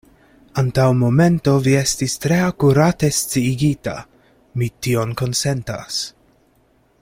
Antaŭ momento vi estis tre akurate sciigita; mi tion konsentas.